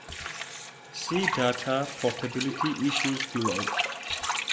See Data portability issues below.